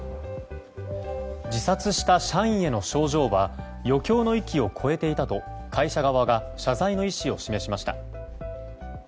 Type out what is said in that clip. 自殺した社員への賞状は余興の域を超えていたと会社側が謝罪の意思を示しました。